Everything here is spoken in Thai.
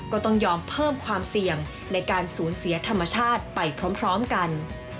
ก็ต้องยอมเพิ่มความเสี่ยงในการสูญเสียธรรมชาติไปพร้อมกัน